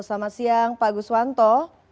selamat siang pak gus wanto